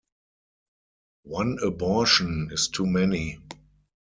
One abortion is too many.